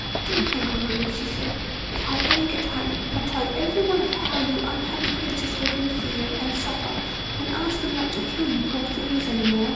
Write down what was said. "Dear Kangaroo," she said, "if I ever get home, I'll tell everyone of how you unhappy creatures live in fear, and suffer, and ask them not to kill you poor things any more."